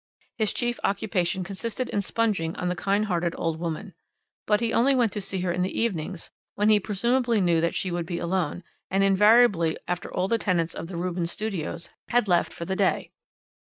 His chief occupation consisted in sponging on the kind hearted old woman, but he only went to see her in the evenings, when he presumably knew that she would be alone, and invariably after all the tenants of the Rubens Studios had left for the day.